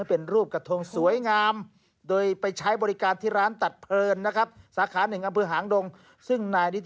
เป็นกระทงสวยงามต้อนรับเทศกาลรอยกระทง